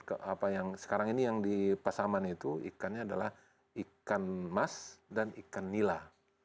apa yang sekarang ini yang di pasaman itu ikannya adalah ikan mas dan ikan nila